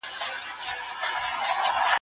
ايا ته سفر کوې!.